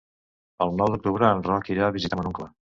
El nou d'octubre en Roc irà a visitar mon oncle.